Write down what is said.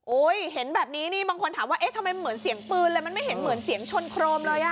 เห็นแบบนี้นี่บางคนถามว่าเอ๊ะทำไมเหมือนเสียงปืนเลยมันไม่เห็นเหมือนเสียงชนโครมเลยอ่ะ